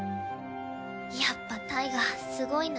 やっぱタイガすごいな。